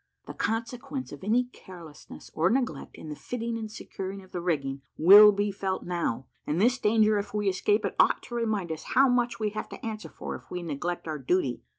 The consequence of any carelessness or neglect in the fitting and securing of the rigging, will be felt now; and this danger, if we escape it, ought to remind us how much we have to answer for if we neglect our duty.